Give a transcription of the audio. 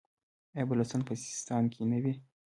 آیا بلوڅان په سیستان کې نه دي؟